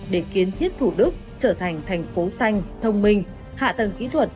để kiến thiết thủ đức trở thành tp thủ đức xanh thông minh hạ tầng kỹ thuật